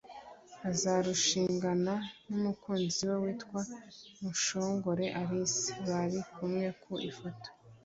Azarushingana n’umukunzi we witwa Mushongore Alice (bari kumwe ku ifoto)